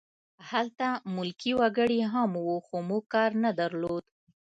هلته ملکي وګړي هم وو خو موږ کار نه درلود